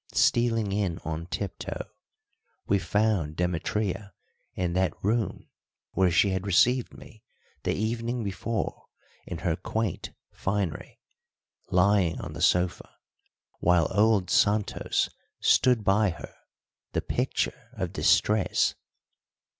Stealing in on tiptoe, we found Demetria in that room where she had received me the evening before in her quaint finery, lying on the sofa, while old Santos stood by her the picture of distress.